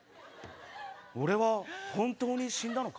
俺は本当に死んだのか？